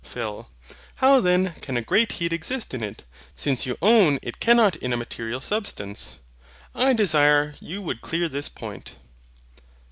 PHIL. How then can a great heat exist in it, since you own it cannot in a material substance? I desire you would clear this point.